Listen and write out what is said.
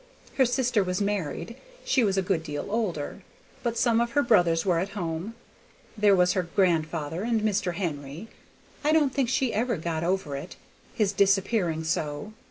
Her sister was married; she was a good deal older; but some of her brothers were at home. There was your grandfather and Mr. Henry. I don't think she ever got it over, his disappearing so.